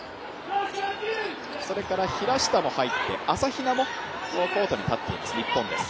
それから平下も入って朝比奈もコートに入っています日本です。